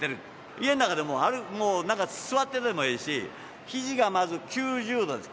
家の中でももう座っててもええし、ひじがまず９０度です。